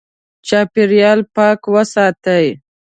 چاپېریال پاک وساتې.